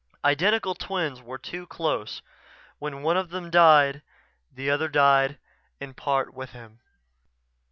Identical twins were too close; when one of them died, the other died in part with him.